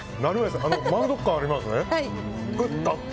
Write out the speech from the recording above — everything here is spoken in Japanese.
満足感ありますね。